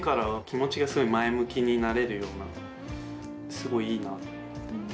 すごいいいなと思って。